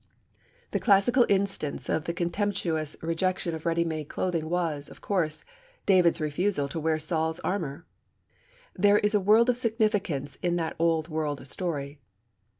The classical instance of the contemptuous rejection of ready made clothing was, of course, David's refusal to wear Saul's armour. There is a world of significance in that old world story.